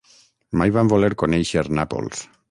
Mai van voler conéixer Nàpols.